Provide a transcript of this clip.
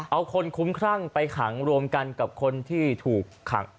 เอาคนคุ้มครั่งไปขังรวมกันกับคนที่ถูกขัง